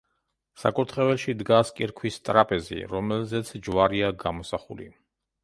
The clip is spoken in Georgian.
საკურთხეველში დგას კირქვის ტრაპეზი, რომელზეც ჯვარია გამოსახული.